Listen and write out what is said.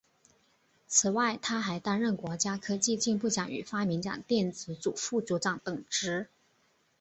此外他还担任国家科技进步奖与发明奖电子组副组长等职。